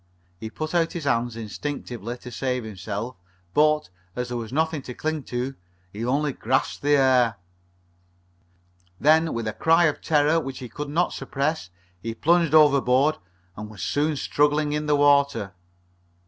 He put out his hands, instinctively, to save himself, but, as there was nothing to cling to, he only grasped the air. Then, with a cry of terror which he could not suppress, he plunged overboard and was soon struggling in the water.